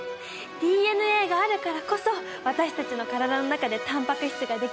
ＤＮＡがあるからこそ私たちの体の中でタンパク質ができるってこと。